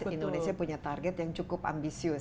indonesia punya target yang cukup ambisius